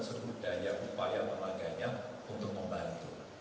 sebudaya upaya pelaganya untuk membantu